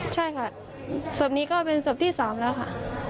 ใช่ค่ะสบนี้ก็เป็นสบที่สามแล้วค่ะ